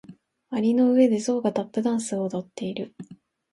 蟻の上でゾウがタップダンスを踊っている。